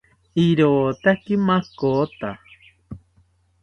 Irotaki makota